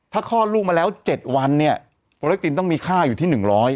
ถ้าคลอดลูกมาแล้ว๗วันเนี่ยโปรเล็กตินต้องมีค่าอยู่ที่๑๐๐